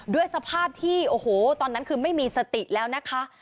ด้วยสภาพที่โอ้โหตอนนั้นคือไม่มีสติแล้วนะคะ